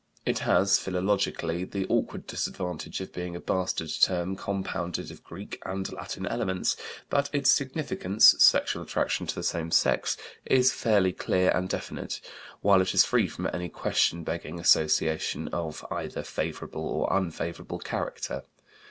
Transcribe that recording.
It has, philologically, the awkward disadvantage of being a bastard term compounded of Greek and Latin elements, but its significance sexual attraction to the same sex is fairly clear and definite, while it is free from any question begging association of either favorable or unfavorable character.